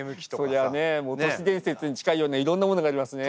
そりゃねもう都市伝説に近いようないろんなものがありますね